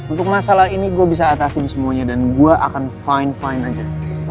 untuk masalah ini gue bisa atasin semuanya dan gue akan fine fine aja